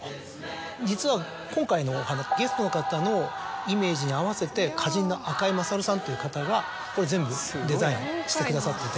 実は今回のお花ゲストの方のイメージに合わせて花人の赤井勝さんという方がこれ全部デザインしてくださってて。